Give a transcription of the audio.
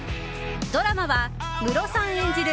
ドラマは、ムロさん演じる